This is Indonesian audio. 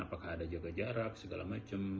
apakah ada jaga jarak segala macam